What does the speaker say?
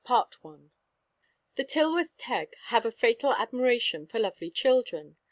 The Tylwyth Teg have a fatal admiration for lovely children.